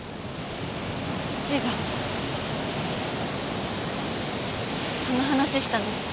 父がその話したんですか。